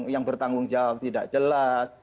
yang bertanggung jawab tidak jelas